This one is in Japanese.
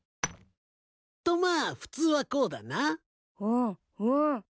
とまあ普通はこうだな。うんうん。